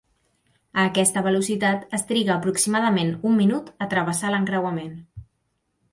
A aquesta velocitat, es triga aproximadament un minut a travessar l'encreuament.